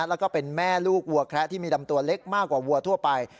แล้วก็เป็นแม่ลูกวัวแคระที่มีดำตัวเล็กมากกว่าวัวทั่วไป